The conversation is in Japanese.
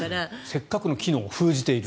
せっかくの機能を封じている。